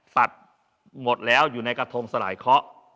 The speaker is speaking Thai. ตัดหมดแล้วอยู่ในกระทงสลายเคาะ